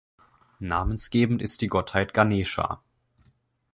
Namensgebend ist die Gottheit Ganesha.